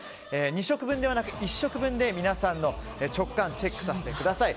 ２食分ではなく１食分で皆さんの直感チェックさせてください。